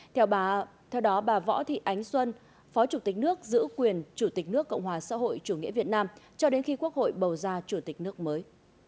theo đó bà võ thị ánh xuân phó chủ tịch nước giữ quyền chủ tịch nước cộng hòa xã hội chủ nghĩa việt nam cho đến khi quốc hội bầu ra chủ tịch nước mới